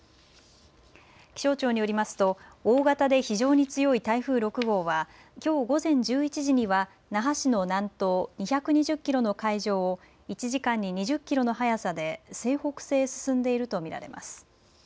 気象庁によりますと大型で非常に強い台風６号はきょう午前１１時には那覇市の南東２２０キロの海上を１時間に２０キロの速さで西北西へ進んでいると見られます。